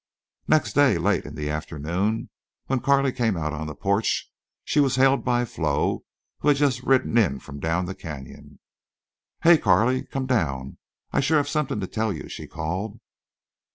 Next day, late in the afternoon, when Carley came out on the porch, she was hailed by Flo, who had just ridden in from down the canyon. "Hey Carley, come down. I shore have something to tell you," she called.